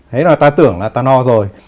thế là ta tưởng là ta no rồi